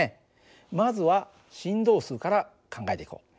まずは振動数から考えていこう。